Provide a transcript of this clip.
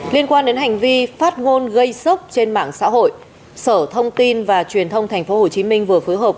liên quan đến hành vi phát ngôn gây sốc trên mạng xã hội sở thông tin và truyền thông tp hcm vừa phối hợp